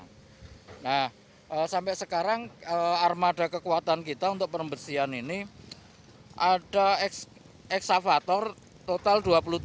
nah sampai sekarang armada kekuatan kita untuk pembersihan ini ada eksavator total dua puluh tiga